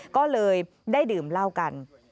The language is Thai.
ก็เลยได้ดื่มเหล้ากัน